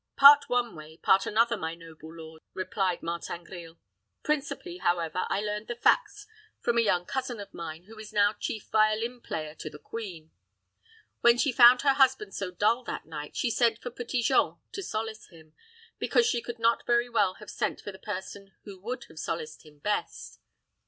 "Part one way, part another, my noble lord," replied Martin Grille. "Principally, however, I learned the facts from a young cousin of mine, who is now chief violin player to the queen. When she found her husband so dull that night, she sent for Petit Jean to solace him, because she could not very well have sent for the person who would have solaced him best.